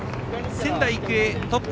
仙台育英、トップ。